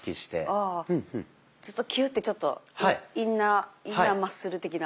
ああずっとキュッてちょっとインナーマッスル的な。